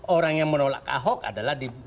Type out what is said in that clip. orang yang menolak ahok adalah